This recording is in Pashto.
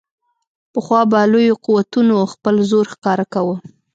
پخوا به لویو قوتونو خپل زور ښکاره کاوه.